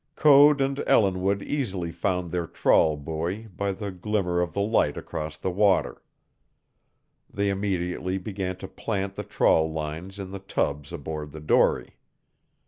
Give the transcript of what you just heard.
Code and Ellinwood easily found their trawl buoy by the glimmer of the light across the water. They immediately began to plant the trawl lines in the tubs aboard the dory.